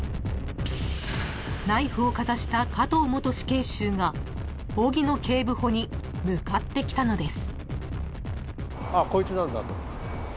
［ナイフをかざした加藤元死刑囚が荻野警部補に向かってきたのです］